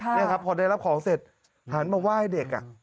นี่ครับพอได้รับของเสร็จหันมาไหว้เด็ก